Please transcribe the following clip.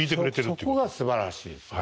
そこがすばらしいんすか。